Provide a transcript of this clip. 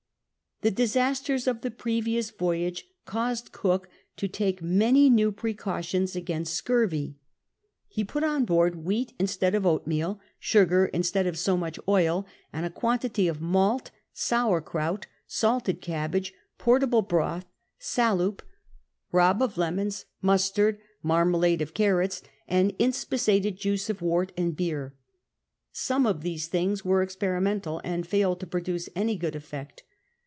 The disasters of the previous voyage caused Cook to take many new precautions against scurvy. He put on board wheat insteiul of oatmeal, sugar instead of so much oil, and a quantity of malt> sour krout, salted cabbage, portable broth, salooj), rob of lemons, mustard, marma lade of carrots, and inspissated juice of wort and beer. Some of these things were experimental, and failed to produce any good effect.